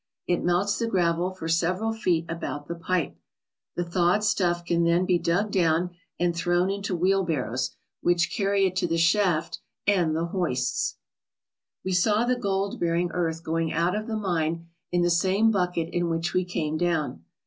It melts the gravel for several feet about the pipe. The thawed stuff can then be dug down and thrown into wheelbarrows, which carry it to the shaft and the hoists. 159 ALASKA OUR NORTHERN WONDERLAND We saw the gold bearing earth going out of the mine in the same bucket in which we came down.